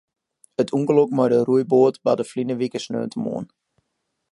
It ûngelok mei de roeiboat barde ferline wike sneontemoarn.